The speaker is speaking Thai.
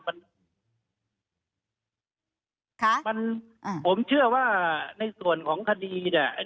ผมเชื่อว่าในส่วนของคดีเนี่ย